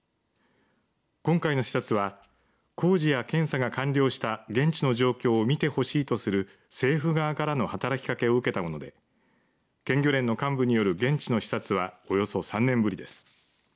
今回の視察は工事や検査が完了した現地の状況を見てほしいとする政府側からの働きかけを受けたもので県漁連の幹部による現地の視察はおよそ３年ぶりです。